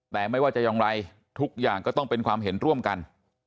แต่ไม่ว่าจะอย่างไรทุกอย่างก็ต้องเป็นความเห็นร่วมกัน